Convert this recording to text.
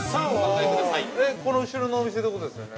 ◆えっ、この後ろのお店ってことですよね？